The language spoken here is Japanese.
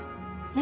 え？